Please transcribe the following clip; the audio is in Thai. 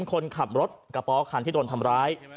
คนขับรถกระเป๋าคันที่โดนทำร้าย